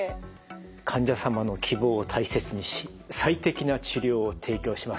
「患者様の希望を大切にし最適な治療を提供します」。